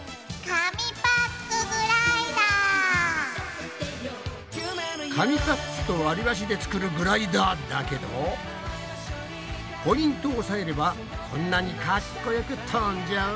紙パックとわりばしで作るグライダーだけどポイントをおさえればこんなにかっこよく飛んじゃう！